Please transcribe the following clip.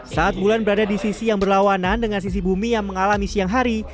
saat bulan berada di sisi yang berlawanan dengan sisi bumi yang mengalami siang hari